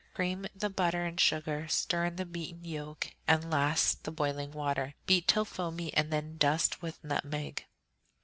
Cream the butter and sugar, stir in the beaten yolk, and last the boiling water. Beat till foamy, and then dust with nutmeg.